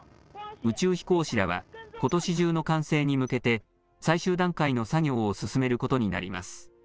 宇宙飛行士らは、ことし中の完成に向けて、最終段階の作業を進めることになります。